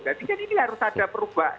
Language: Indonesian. jadi ini harus ada perubahan